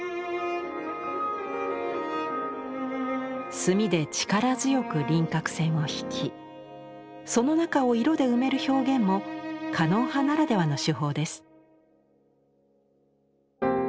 墨で力強く輪郭線を引きその中を色で埋める表現も狩野派ならではの手法です。